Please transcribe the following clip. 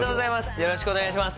よろしくお願いします。